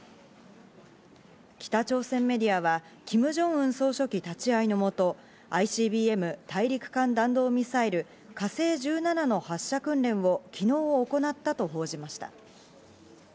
北朝鮮メディアはキム・ジョンウン総書記立ち会いのもと、ＩＣＢＭ＝大陸間弾道ミサイル「火星１７」の発射訓練を昨日行ったと報じました。